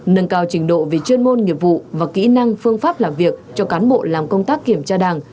nâng cao trình độ về chuyên môn nghiệp vụ và kỹ năng phương pháp làm việc cho cán bộ làm công tác kiểm tra đảng